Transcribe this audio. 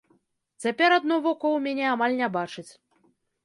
Цяпер адно вока ў мяне амаль не бачыць.